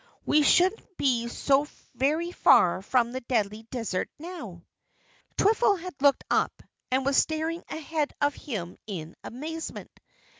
"We shouldn't be so very far from the Deadly Desert now." Twiffle had looked up and was staring ahead of him in amazement.